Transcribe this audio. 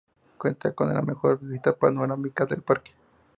Cuenta con la mejor vista panorámica del parque.